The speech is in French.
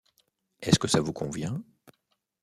Est-ce que ça vous convient?